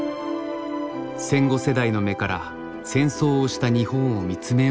戦後世代の目から戦争をした日本を見つめようとしたのです。